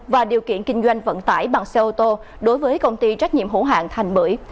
và điều kiện kinh doanh vận tải bằng xe ô tô đối với công ty trách nhiệm hữu hạng thành bưởi